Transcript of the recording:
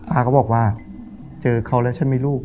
ป้าก็บอกว่าเจอเขาแล้วฉันไม่รู้